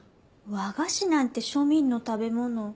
和菓子なんて庶民の食べ物